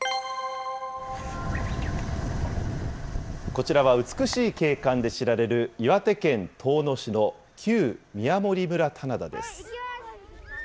こちらは美しい景観で知られる岩手県遠野市の旧宮守村棚田です。